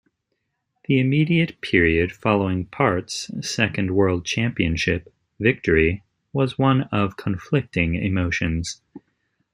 The immediate period following Part's second world championship victory was one of conflicting emotions.